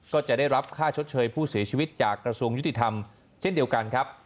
ก็จะได้รับค่าชดเชยผู้เสียชีวิตจากกระทรวงยุติธรรมเช่นเดียวกันครับ